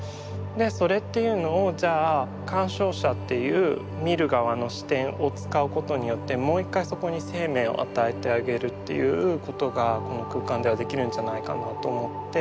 でそれっていうのをじゃあ鑑賞者っていう見る側の視点を使うことによってもう１回そこに生命を与えてあげるっていうことがこの空間ではできるんじゃないかなと思って。